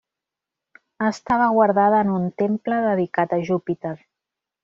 Estava guardada en un temple dedicat a Júpiter.